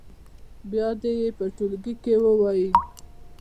بیا دې یې په ټولګي کې ووايي.